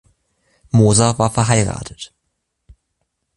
Moser war verheiratet.